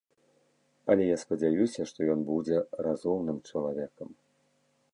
Але я спадзяюся, што ён будзе разумным чалавекам.